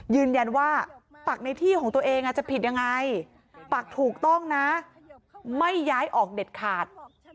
ยืนยันว่าปักในที่ของตัวเองจะผิดยังไงปักถูกต้องนะไม่ย้ายออกเด็ดขาด